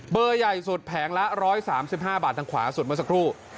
เบอร์ใหญ่สุดแผงละ๑๓๕บาททางขวาสุดเมื่อสักครู่